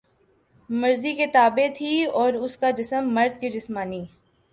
مرضی کے تابع تھی اور اس کا جسم مرد کے جسمانی